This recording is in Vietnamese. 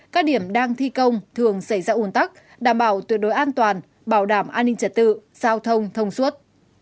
các điểm đang thi công thường xảy ra ủn tắc đảm bảo tuyệt đối an toàn bảo đảm an ninh trật tự giao thông thông suốt